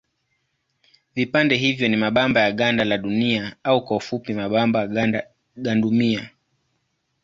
Vipande hivyo ni mabamba ya ganda la Dunia au kwa kifupi mabamba gandunia.